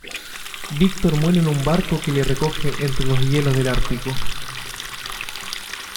Víctor muere en un barco que le recoge entre los hielos del Ártico.